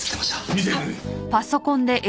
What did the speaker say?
見せてくれ。